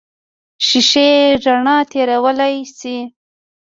شیشې رڼا تېرولی شي.